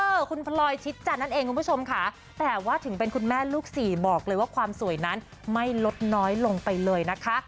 เออคุณพลอยชิดจันทร์นั่นเองคุณผู้ชมค่ะแต่ว่าถึงเป็นคุณแม่ลูกสี่บอกเลยว่าความสวยนั้นไม่ลดน้อยลงไปเลยนะคะ